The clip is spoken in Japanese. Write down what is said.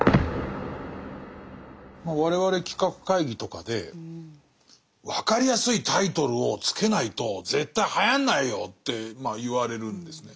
我々企画会議とかでわかりやすいタイトルを付けないと絶対はやんないよって言われるんですね。